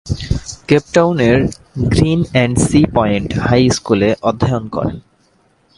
Cape টাউনের Green and Sea Point High স্কুলে অধ্যয়ন করেন।